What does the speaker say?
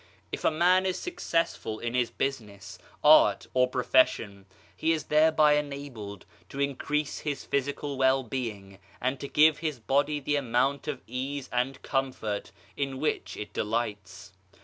If a man is successful in his business, art, or profession he is thereby enabled to increase his physical well being and to give his body the amount of ease and comfort in which it delights.